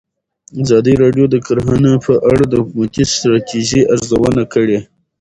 ازادي راډیو د کرهنه په اړه د حکومتي ستراتیژۍ ارزونه کړې.